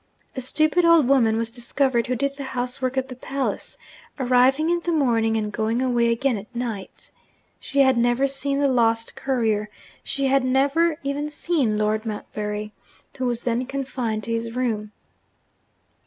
A stupid old woman was discovered who did the housework at the palace, arriving in the morning and going away again at night. She had never seen the lost courier she had never even seen Lord Montbarry, who was then confined to his room.